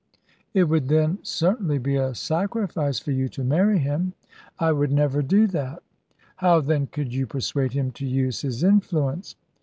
"It would, then, certainly be a sacrifice for you to marry him." "I would never do that." "How, then, could you persuade him to use his influence?"